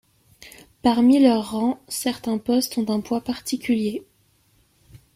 Parmi leurs rangs, certains postes ont un poids particulier.